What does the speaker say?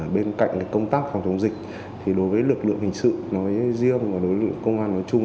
bên cạnh công tác phòng chống dịch đối với lực lượng hình sự nói riêng đối với công an nói chung